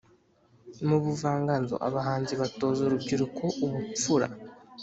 mu buvanganzo abahanzi batoza urubyiruko ubupfura